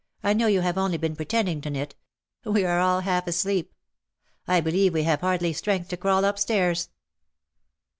I know you have only been pretend ing to knit. We are all half asleep. I believe we have hardly strength to crawl upstairs.